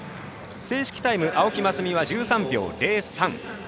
正式タイム、青木益未は１３秒０３。